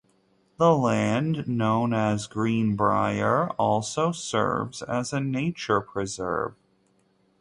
The land, known as Greenbriar, also serves as a nature preserve.